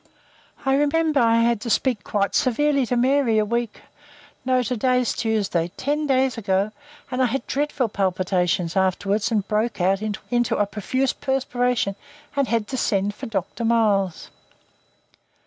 I remember I had to speak quite severely to Mary a week no, to day's Tuesday ten days ago, and I had dreadful palpitations afterwards and broke out into a profuse perspiration and had to send for Doctor Miles."